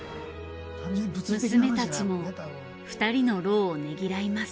娘たちも２人の労をねぎらいます。